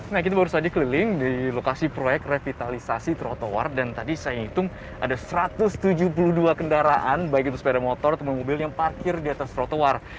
nah kita baru saja keliling di lokasi proyek revitalisasi trotoar dan tadi saya hitung ada satu ratus tujuh puluh dua kendaraan baik itu sepeda motor atau mobil yang parkir di atas trotoar